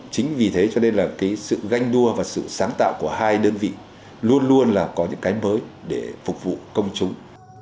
chính vì thế cho nên là cái sự ganh đua và sự sáng tạo của hai đơn vị luôn luôn là có những cái mới để phục vụ công chúng